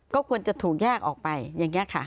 ก็ควรจะถูกแยกออกไปอย่างนี้ค่ะ